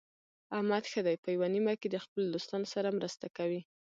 احمد ښه دی په یوه نیمه کې د خپلو دوستانو سره مرسته کوي.